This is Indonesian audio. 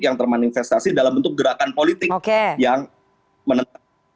yang termanifestasi dalam bentuk gerakan politik yang menentukan